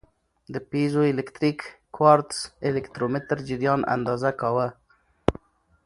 د پیزوالکتریک کوارتز الکترومتر جریان اندازه کاوه.